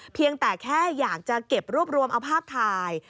เพียงแต่แค่อยากจะเก็บรวบรวมเอาภาพถ่าย